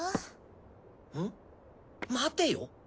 待てよ。